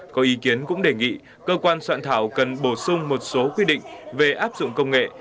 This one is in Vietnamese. có ý kiến cũng đề nghị cơ quan soạn thảo cần bổ sung một số quy định về áp dụng công nghệ